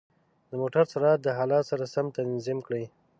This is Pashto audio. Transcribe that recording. د موټرو سرعت د حالت سره سم تنظیم کړئ.